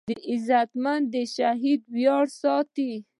غیرتمند د شهید ویاړ ساتي